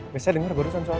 biasanya dengar berusaha soal